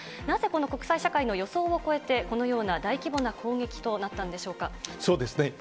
なぜこの国際社会の予想を超えて、このような大規模な攻撃となったんでしょうか。